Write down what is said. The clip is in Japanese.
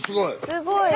すごい。